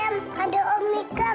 kecuali nggak perlu dikumpulin